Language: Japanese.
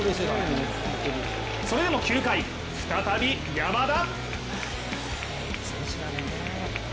それでも９回再び山田。